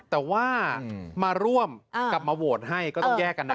แต่ว่ามาร่วมกลับมาโหวตให้ก็ต้องแยกกันนะ